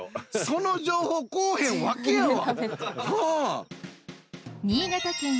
その情報こぉへんわけやわ。